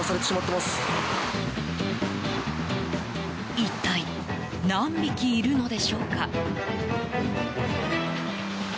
一体、何匹いるのでしょうか？